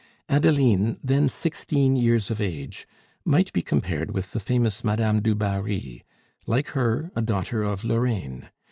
Adeline, then sixteen years of age, might be compared with the famous Madame du Barry, like her, a daughter of Lorraine.